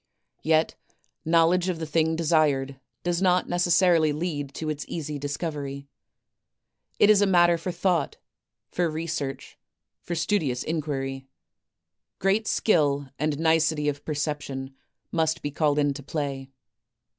Yet knowledge of the thing desired does 320 THE TECHNIQUE OF THE MYSTERY STORY not necessarily lead to its easy discovery. It is a matter for thought, for research, for studious inquiry. Great skill and nicety of perception must be called into play.